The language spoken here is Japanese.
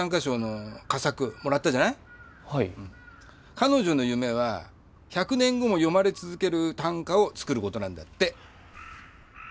彼女の夢は１００年後も読まれ続ける短歌を作ることなんだって。